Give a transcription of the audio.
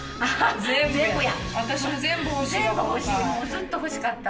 ずっと欲しかった。